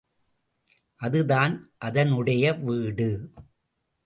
அதுதான் அதனுடைய வீடு.